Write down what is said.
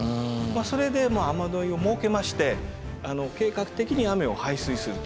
それで雨を設けまして計画的に雨を排水すると。